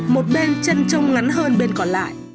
một bên chân trông ngắn hơn bên còn lại